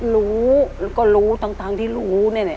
รู้แล้วก็รู้ทั้งที่รู้เนี่ยเนี่ย